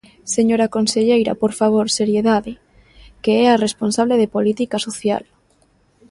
¡Señora conselleira, por favor, seriedade, que é a responsable de política social!